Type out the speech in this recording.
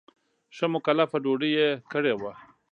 ښه مکلفه ډوډۍ یې کړې وه.